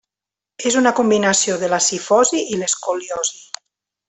És una combinació de la cifosi i l'escoliosi.